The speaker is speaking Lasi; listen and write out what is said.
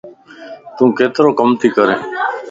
تون ڪيترو ڪم تي ڪرين؟